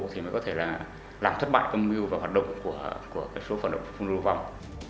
thì mới có thể là làm thất bại công mưu và hoạt động của số phận động phun rô vòng